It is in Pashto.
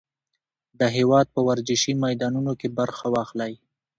د هېواد په ورزشي میدانونو کې برخه واخلئ.